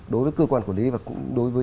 đối với cơ quan quản lý và đối với